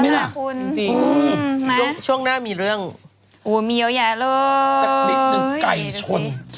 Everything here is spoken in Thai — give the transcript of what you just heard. มายชน